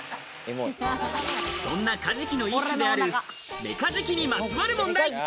そんなカジキの一種であるメカジキにまつわる問題。